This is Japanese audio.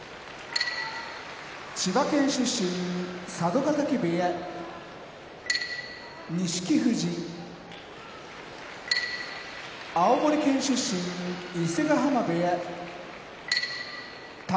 千葉県出身佐渡ヶ嶽部屋錦富士青森県出身伊勢ヶ濱部屋宝